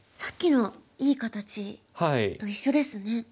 さっきのいい形と一緒ですね。